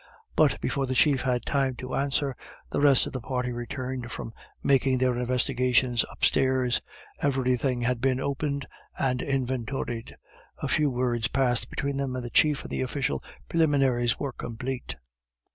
But before the chief had time to answer, the rest of the party returned from making their investigations upstairs. Everything had been opened and inventoried. A few words passed between them and the chief, and the official preliminaries were complete.